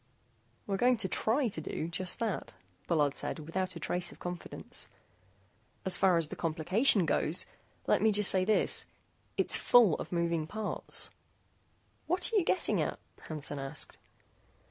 "We're going to try to do just that," Bullard said without a trace of confidence. "As far as the complication goes, let me say just this: it's full of moving parts." "What are you getting at?" Hansen asked.